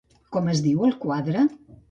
Com es diu el quadre?